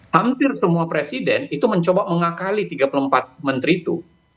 hampir semua presiden itu mencoba mengakali tiga puluh empat menteri itu